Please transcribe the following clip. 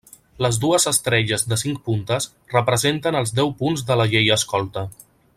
Les dues estrelles de cinc puntes representen els deu punts de la Llei Escolta.